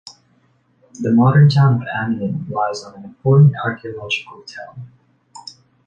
The modern town of Amioun lies on an important archaeological tell.